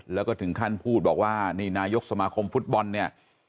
แล้วก็ถึงขั้นพูดบอกว่านี่นายกสมาคมฟุตบอลเนี่ย